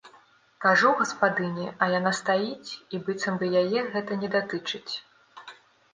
Кажу гаспадыні, а яна стаіць, і быццам бы яе гэта не датычыць.